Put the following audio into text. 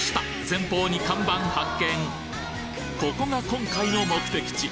前方にここが今回の目的地